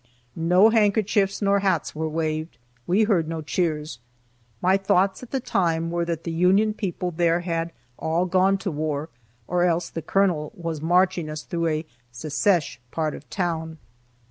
No handkerchiefs nor hats were waved, we heard no cheers. My thoughts at the time were that the Union people there had all gone to war, or else the colonel was marching us through a "Secesh" part of town.